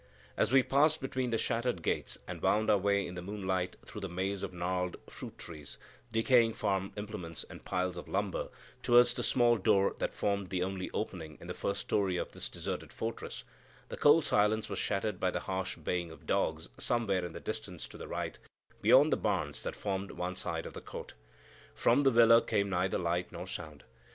As we passed between the shattered gates and wound our way in the moonlight through the maze of gnarled fruit trees, decaying farm implements and piles of lumber, towards the small door that formed the only opening in the first story of this deserted fortress, the cold silence was shattered by the harsh baying of dogs somewhere in the distance to the right, beyond the barns that formed one side of the court. From the villa came neither light nor sound.